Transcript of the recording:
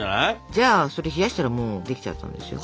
じゃあそれ冷やしたらもうできちゃったんですよ。